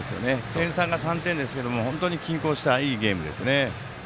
点差、３点ですが本当に均衡したいいゲームですね。